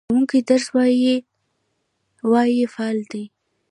ښوونکی درس وايي – "وايي" فعل دی.